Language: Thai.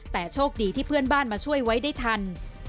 แต่โชคดีที่เพื่อนบ้านมาช่วยไว้ได้ทัน